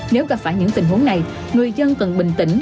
nếu gặp phải những tình huống này người dân cần bình tĩnh